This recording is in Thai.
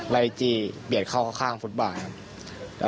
ไล่จี้เบียดเข้าข้างฟุตบาทครับ